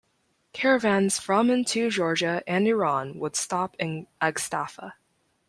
Caravans from and to Georgia and Iran would stop in Agstafa.